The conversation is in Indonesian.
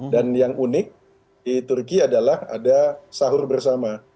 dan yang unik di turki adalah ada sahur bersama